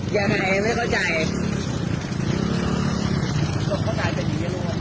ยังไงไม่เข้าใจ